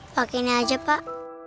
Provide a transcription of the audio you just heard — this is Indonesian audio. pak ini aja pak